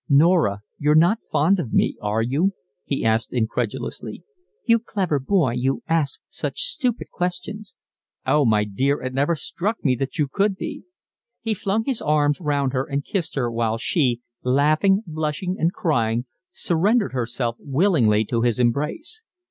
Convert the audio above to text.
"Norah, you're not fond of me, are you?" he asked, incredulously. "You clever boy, you ask such stupid questions." "Oh, my dear, it never struck me that you could be." He flung his arms round her and kissed her, while she, laughing, blushing, and crying, surrendered herself willingly to his embrace.